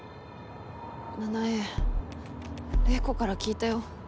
奈々江玲子から聞いたよ。